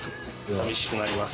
寂しくなります。